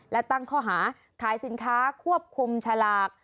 และตั้งข้อหาขายสินค้าควบคุมฉลาก